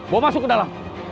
bawa masuk ke dalam